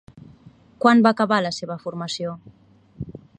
Quan va acabar la seva formació?